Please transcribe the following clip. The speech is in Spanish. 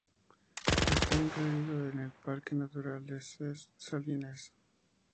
Está incluido en el parque natural de Ses Salines.